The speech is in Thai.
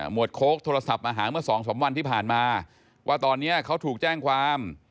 วดโค้กโทรศัพท์มาหาเมื่อสองสามวันที่ผ่านมาว่าตอนนี้เขาถูกแจ้งความ